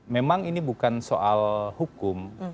memang ini bukan soal hukum